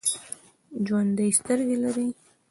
ژوندي سترګې لري